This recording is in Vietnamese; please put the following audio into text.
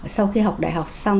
sau khi học đại học xong